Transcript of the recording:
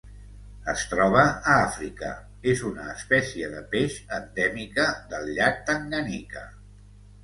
Es troba a Àfrica: és una espècie de peix endèmica del llac Tanganyika.